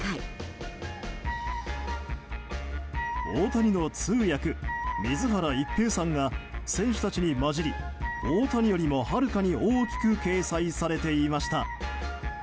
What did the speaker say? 大谷の通訳、水原一平さんが選手たちに交じり大谷よりもはるかに大きく掲載されていました。